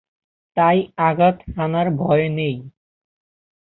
তাই আঘাত হানার ভয় নেই।